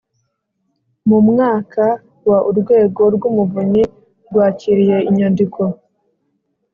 Mu mwaka wa urwego rw umuvunyi rwakiriye inyandiko